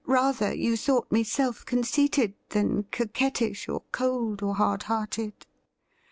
— rather you thought me self conceited than coquettish or cold or hard hearted.'